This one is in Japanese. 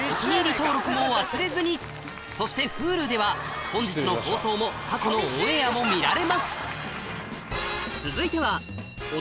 登録も忘れずにそしてＨｕｌｕでは本日の放送も過去のオンエアも見られます